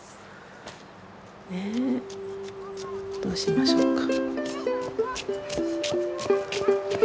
ねえどうしましょうか。